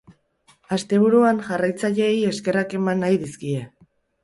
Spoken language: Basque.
Asteburuan, jarraitzaileei eskerrak eman nahi izan dizkie.